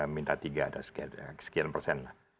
minta tiga ada sekian persen lah